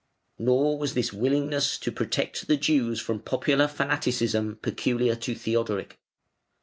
Nor was this willingness to protect the Jews from popular fanaticism peculiar to Theodoric.